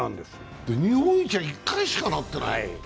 日本一は１回しかなってない。